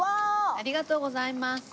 ありがとうございます。